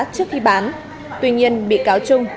trước khi bán tuy nhiên bị cáo trung